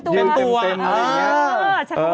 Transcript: ยืนเต็มตัว